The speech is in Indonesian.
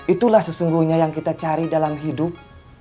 itulah sesungguhnya yang kita cari dalam hidup